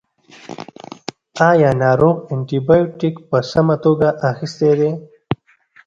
ایا ناروغ انټي بیوټیک په سمه توګه اخیستی دی.